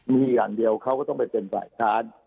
นี่อันเดียวเขาก็ต้องมาเป็นฝ่ายค้าน